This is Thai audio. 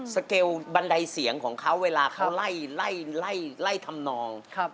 เกลบันไดเสียงของเขาเวลาเขาไล่ทำนอง